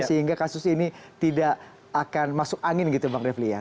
sehingga kasus ini tidak akan masuk angin gitu bang refli ya